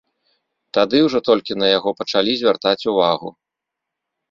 Тады ўжо толькі на яго пачалі звяртаць увагу.